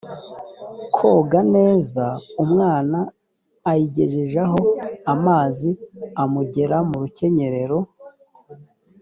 koga neza umwana ayigejeje aho amazi amugera mu rukenyerero